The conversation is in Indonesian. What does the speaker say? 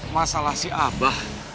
masalah si abah